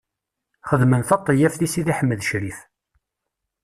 Xedmen taṭeyyaft i Sidi Ḥmed Ccrif.